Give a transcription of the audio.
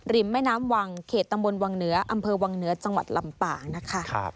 แม่น้ำวังเขตตำบลวังเหนืออำเภอวังเหนือจังหวัดลำปางนะคะ